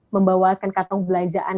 membawakan kantong belanjaan